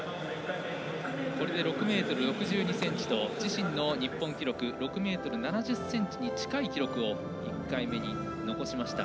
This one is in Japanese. これで６ｍ６２ｃｍと自身の日本記録６ｍ７０ｃｍに近い記録を１回目に残しました。